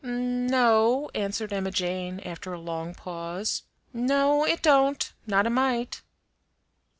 "No," answered Emma Jane after a long pause; "no, it don't; not a mite."